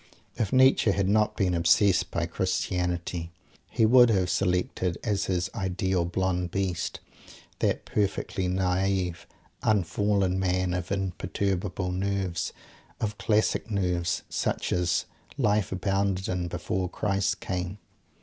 If Nietzsche had not been obsessed by Christianity he would have selected as his "Ideal Blond Beast" that perfectly naive, "unfallen" man, of imperturbable nerves, of classic nerves, such as Life abounded in _before Christ came.